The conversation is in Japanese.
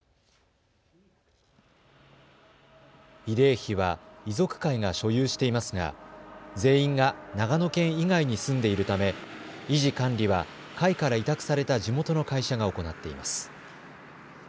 慰霊碑は遺族会が所有していますが全員が長野県以外に住んでいるため維持管理は会から委託された地元の会社が行っています。